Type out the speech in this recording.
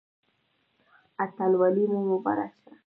اتلولي مو مبارک شه